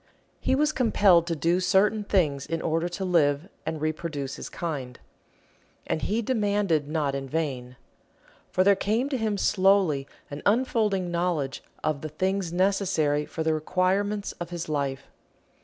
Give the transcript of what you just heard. He was compelled to do certain things in order to live and reproduce his kind. And he demanded not in vain. For there came to him slowly an unfolding knowledge of the things necessary for the requirements of his life.